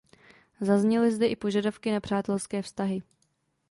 Zazněly zde i požadavky na přátelské vztahy.